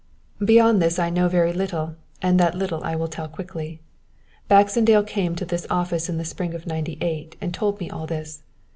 "Beyond this I know very little and that little I will tell quickly. Baxendale came into this office in the spring of '98 and told me all this.